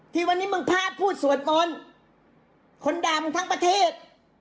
ที่วันนี้มึงพลาดพูดสวดมนต์คนดำทั้งประเทศ